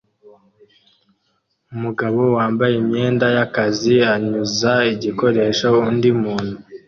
Umugabo wambaye imyenda y'akazi anyuza igikoresho undi muntu